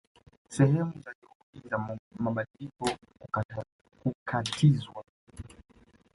Sehemu za juhudi za mabadiliko kukatizwa